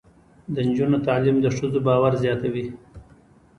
د نجونو تعلیم د ښځو باور زیاتوي.